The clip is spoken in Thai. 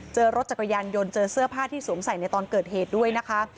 เจอรถจักรยานยนต์เจอเสื้อผ้าที่สวมใส่ในตอนเกิดเหตุด้วยนะคะ